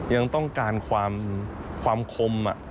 ยังต้องการความคม